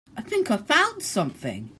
I think I found something.